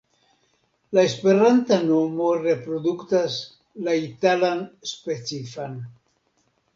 La esperanta nomo reproduktas la latinan specifan.